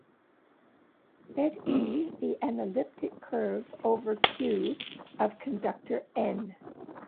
Let "E" be an elliptic curve over Q of conductor "N".